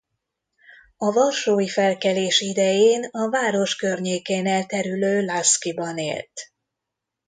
A varsói felkelés idején a város környékén elterülő Laskiban élt.